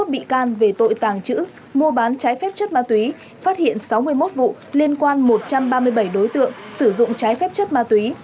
hai mươi một bị can về tội tàng trữ mua bán trái phép chất ma túy phát hiện sáu mươi một vụ liên quan một trăm ba mươi bảy đối tượng sử dụng trái phép chất ma túy